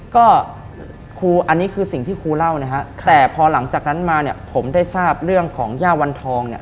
ก็ครูอันนี้คือสิ่งที่ครูเล่านะฮะแต่พอหลังจากนั้นมาเนี่ยผมได้ทราบเรื่องของย่าวันทองเนี่ย